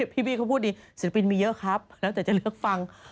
พี่บี้เขาพูดดีศิลปินมีเยอะครับแล้วแต่จะเลือกฟัง